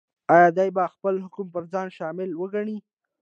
ایا دی به خپل حکم پر ځان شامل وګڼي؟